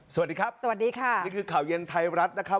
สวัสดีครับสวัสดีค่ะนี่คือข่าวเย็นไทยรัฐนะครับ